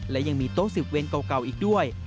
และยังมีโต๊ะ๑๐เวนเก่าอีกด้วย